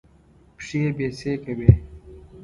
پښې يې بېسېکه وې.